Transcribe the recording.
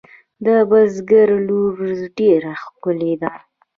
د بزگر لور ډېره ښکلې ده.